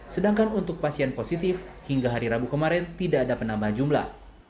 sedangkan untuk pasien positif hingga hari rabu kemarin tidak ada penambahan jumlah